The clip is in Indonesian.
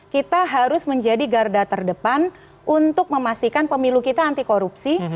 kita harus menjadi garda terdepan untuk memastikan pemilu kita anti korupsi